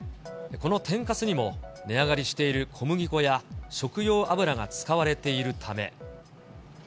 この天かすにも値上がりしている小麦粉や食用油が使われているため。